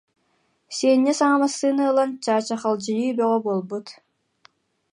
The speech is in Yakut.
«Сиэнньэ саҥа массыына ылан чаачахалдьыйыы бөҕө буолбут